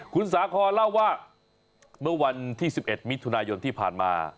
คุณสาคอนเล่าว่าเมื่อวันที่๑๑มิถุนายนที่ผ่านมา